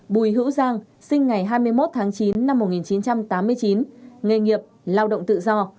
bùi hữu giang sinh ngày hai mươi một tháng chín năm một nghìn chín trăm tám mươi chín nghề nghiệp lao động tự do